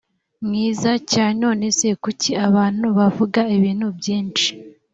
mwiza cyane none se kuki abantu bavuga ibintu byinshi